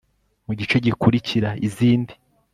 mu gice gikurikira izindi